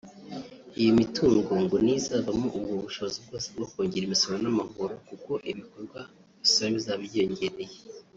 Iyi mitungo ngo niyo izavamo ubwo bushobozi bwose bwo kongera imisoro n’amahoro kuko ibikorwa bisora bizaba byiyongereye